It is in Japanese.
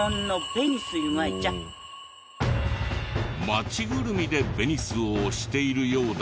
町ぐるみでベニスを推しているようだけど。